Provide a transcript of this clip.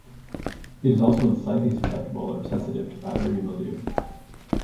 It is also slightly susceptible or sensitive to powdery mildew.